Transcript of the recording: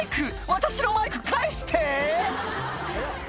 私のマイク返して！